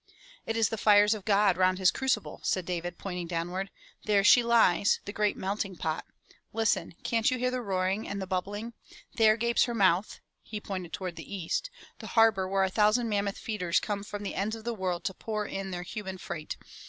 " It is the fires of God round his crucible," said David pointing downward. "There she lies, the great melting pot. Listen — can*t you hear the roaring and the bubbling? There gapes her mouth, —" he pointed toward the east — "the harbor where a thousand mammoth feeders come from the ends of the world to pour in their human freight.